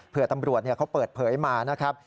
เพื่อตำรวจเขาเปิดเผยมานะครับ